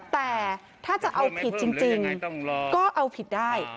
แต่ถ้าจะเอาผิดจริงก็เอาผิดได้